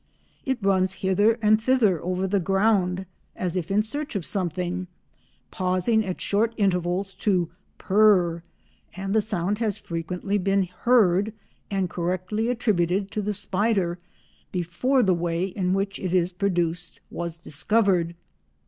It runs hither and thither over the ground as if in search of something, pausing at short intervals to "purr," and the sound had frequently been heard and correctly attributed to the spider before the way in which it is produced was discovered.